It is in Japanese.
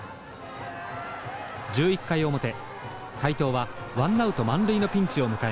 １１回表斎藤はワンナウト満塁のピンチを迎えます。